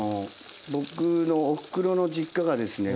僕のおふくろの実家がですね